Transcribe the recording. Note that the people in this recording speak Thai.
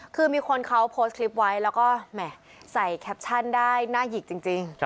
คือมีคนเขาโพสต์คลิปไว้แล้วก็แหม่ใส่แคปชั่นได้น่าหยิกจริง